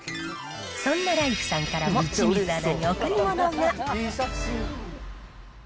そんなライフさんからも、清水アナに贈り物が。